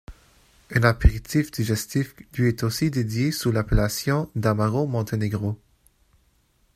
Un apéritif-digestif lui est aussi dédié sous l'appellation d'Amaro Montenegro.